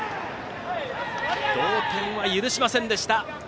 同点は許しませんでした。